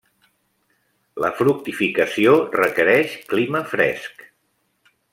La fructificació requereix clima fresc.